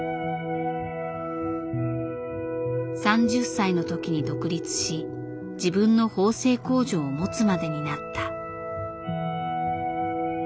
３０歳の時に独立し自分の縫製工場を持つまでになった。